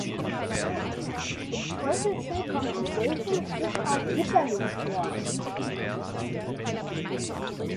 Im Teufelssee kommt die seltene Fischart Bitterling vor.